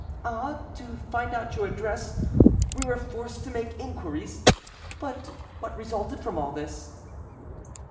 "Ah! to find out your address, we were forced to make inquiries. But what resulted from all this?"